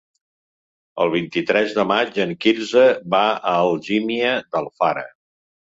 El vint-i-tres de maig en Quirze va a Algímia d'Alfara.